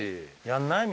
やんない？